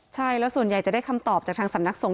ใช่แล้วส่วนใหญ่จะได้คำตอบจากทางสำนักสงฆ